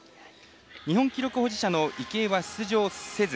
日本記録保持者の池江は出場せず。